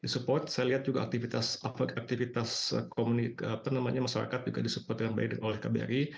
support saya lihat juga aktivitas masyarakat juga disupport dengan baik oleh kbri